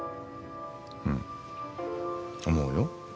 うん思うよ。